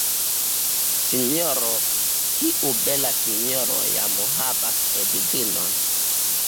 Sinjoro, tiu bela sinjoro jam havas edzinon!